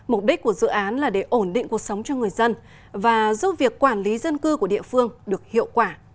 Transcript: mục đích của dự án là để ổn định cuộc sống cho người dân và giúp việc quản lý dân cư của địa phương được hiệu quả